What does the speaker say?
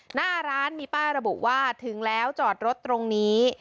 หน้าร้านมีป้าระบุว่าถึงแล้วจอดรถตรงนี้